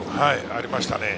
ありましたね。